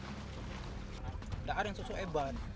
tidak ada yang sesuai ban